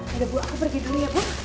ya ibu aku pergi dulu ya ibu